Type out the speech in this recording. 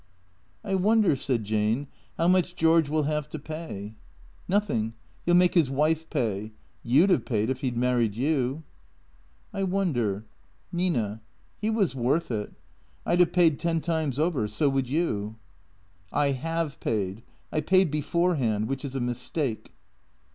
" I wonder," said Jane, " how much George will have to pay?" " Nothing. He '11 make his wife pay. You 'd have paid if he 'd married you." " I wonder. Nina — he was worth it. I 'd have paid ten times over. So would you." " I have paid. I paid beforehand. Which is a mistake."